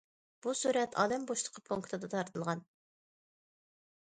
بۇ سۈرەت ئالەم بوشلۇقى پونكىتىدا تارتىلغان.